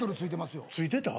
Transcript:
付いてた？